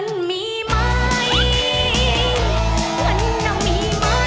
กลับมาเต้นได้